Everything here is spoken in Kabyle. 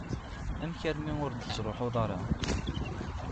Amek armi ur d-truḥeḍ ara?